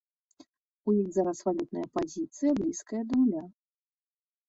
У іх зараз валютная пазіцыя блізкая да нуля.